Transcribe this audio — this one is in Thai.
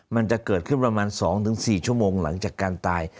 มันจะเกิดขึ้นประมาณ๒๔ชั่วโมงหลังจากการตาย